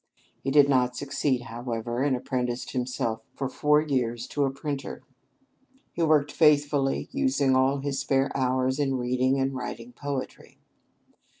He did not succeed, however, and apprenticed himself for four years to a printer. He worked faithfully, using all his spare hours in reading and writing poetry.